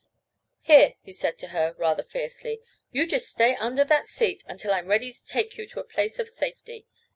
"Here," he said to her, rather fiercely, "you just stay under that seat until I'm ready to take you to a place of safety.